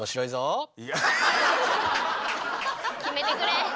決めてくれ。